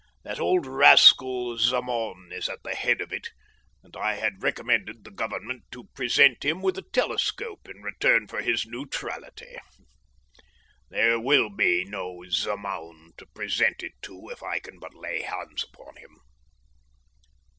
That old rascal Zemaun is at the head of it, and I had recommended the Government to present him with a telescope in return for his neutrality! There will be no Zemaun to present it to if I can but lay hands upon him.